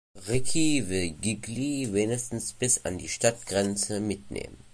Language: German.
Ricki will Gigli wenigstens bis an die Stadtgrenze mitnehmen.